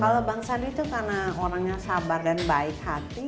kalau bang sandi itu karena orangnya sabar dan baik hati